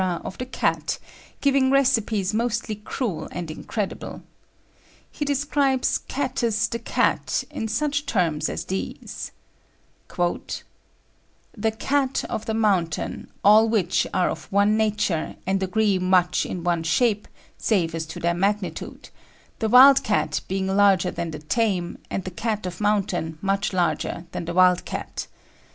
of the cat, giving recipes mostly cruel and incredible. He describes "Catus the Cat" in such terms as these: "The Cat of Mountain, all which are of one nature, and agree much in one shape, save as to their magnitude, the wild Cat being larger than the Tame and the Cat of Mountain much larger than the wild Cat.